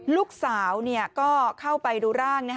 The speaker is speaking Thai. ลูกสาวก็เข้าไปดูร่าง